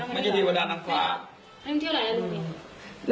ไม่ใช่เทวดานางฟ้า